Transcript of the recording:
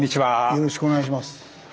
よろしくお願いします。